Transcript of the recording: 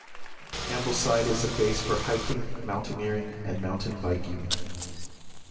Ambleside is a base for hiking, mountaineering and mountain biking.